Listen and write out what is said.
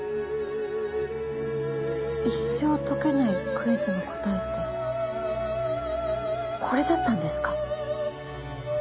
一生解けないクイズの答えってこれだったんですか？